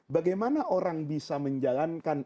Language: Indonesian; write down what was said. bagaimana orang bisa menjalankan